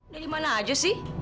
dari mana aja sih